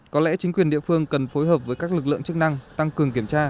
có lẽ chính quyền địa phương cần phối hợp với các lực lượng chức năng tăng cường kiểm tra